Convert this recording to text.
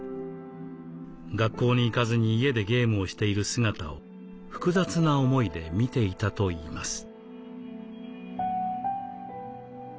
学校に行かずに家でゲームをしている姿を複雑な思いで見ていたといいます。